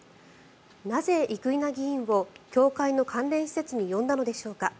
なぜ、生稲議員を教会の関連施設に呼んだのでしょうか。